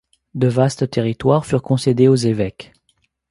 De vastes territoires furent concédés aux évêques.